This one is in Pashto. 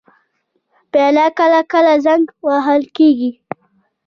پیاله کله کله زنګ وهل کېږي.